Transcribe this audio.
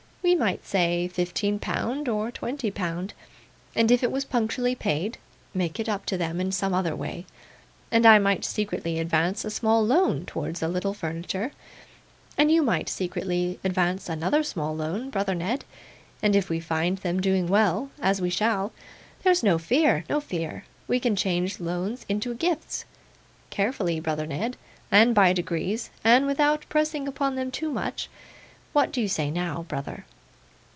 We might say fifteen pound, or twenty pound, and if it was punctually paid, make it up to them in some other way. And I might secretly advance a small loan towards a little furniture, and you might secretly advance another small loan, brother Ned; and if we find them doing well as we shall; there's no fear, no fear we can change the loans into gifts. Carefully, brother Ned, and by degrees, and without pressing upon them too much; what do you say now, brother?